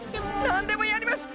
なんでもやります！